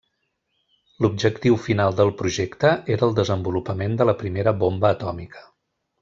L'objectiu final del projecte era el desenvolupament de la primera bomba atòmica.